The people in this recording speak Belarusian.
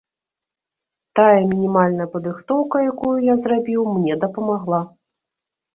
Тая мінімальная падрыхтоўка, якую я зрабіў, мне дапамагла.